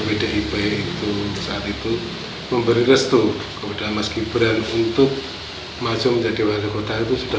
pdip itu saat itu memberi restu kepada mas gibran untuk maju menjadi wali kota itu sudah